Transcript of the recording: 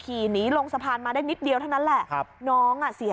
ขี่หนีลงสะพานมาได้นิดเดียวเท่านั้นแหละครับน้องอ่ะเสีย